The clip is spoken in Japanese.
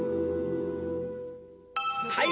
はい！